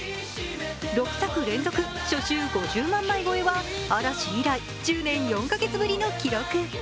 ６作連続、初週５０万枚超えは嵐以来、１０年４カ月ぶりの記録。